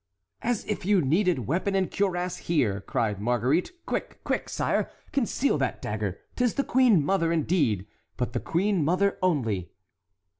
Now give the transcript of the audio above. "As if you needed weapon and cuirass here!" cried Marguerite. "Quick, quick, sire! conceal that dagger; 'tis the queen mother, indeed, but the queen mother only."